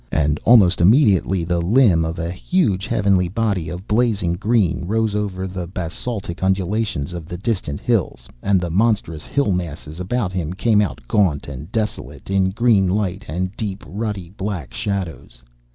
And almost immediately the limb of a huge heavenly body of blazing green rose over the basaltic undulations of the distant hills, and the monstrous hill masses about him came out gaunt and desolate, in green light and deep, ruddy black shadows.